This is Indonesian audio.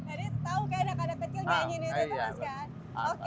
jadi tau kan ada anak anak kecil kayak gini terus kan